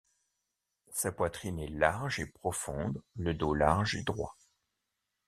Sa poitrine est large et profonde, le dos large et droit.